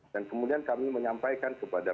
dan kemudian kami menyampaikan kepada